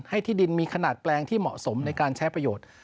ที่ดินมีขนาดแปลงที่เหมาะสมในการใช้ประโยชน์